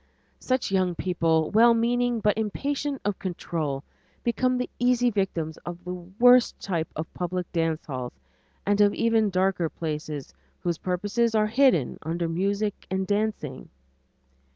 Such young people, well meaning but impatient of control, become the easy victims of the worst type of public dance halls, and of even darker places, whose purposes are hidden under music and dancing.